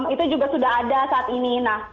itu juga sudah ada saat ini